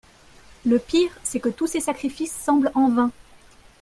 Le pire, c’est que tous ces sacrifices semblent en vain.